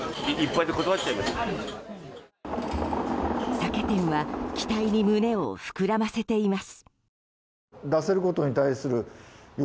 酒店は期待に胸を膨らませています。